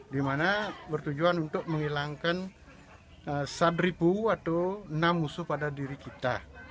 dimana bertujuan untuk menghilangkan sadripu atau enam musuh pada diri kita